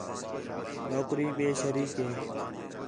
نوکری ٻئے شہریک ہِے